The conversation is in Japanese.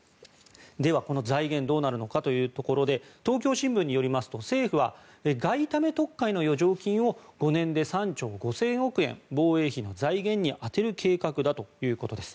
では、この財源どうなるのかというところで東京新聞によりますと政府は外為特会の余剰金を５年で３兆５０００億円防衛費の財源に充てる計画だということです。